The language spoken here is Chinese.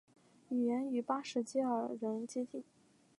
语言与巴什基尔人接近。